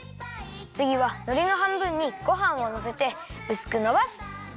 つぎはのりのはんぶんにごはんをのせてうすくのばす！